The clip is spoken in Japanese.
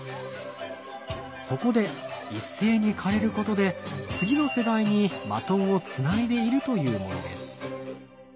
そこで一斉に枯れることで次の世代にバトンをつないでいるというものです。